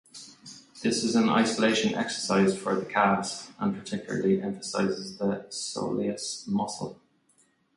This is an isolation exercise for the calves, and particularly emphasises the soleus muscle.